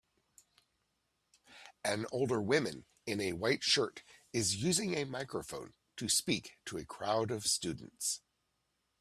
An older women in a white shirt is using a microphone to speak to a crowd of students